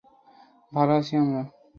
ভালো আছি আমরা।